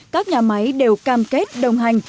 các nhà máy đều cam kết đồng hành